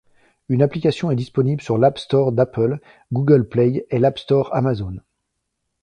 Une application est disponible sur l'App Store d'Apple, Google Play et l'Appstore Amazon.